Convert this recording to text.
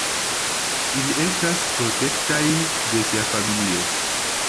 Ili estas protektaj de sia familio.